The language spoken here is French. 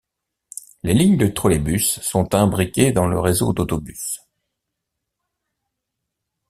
Les lignes de trolleybus sont imbriquées dans le réseau d'autobus.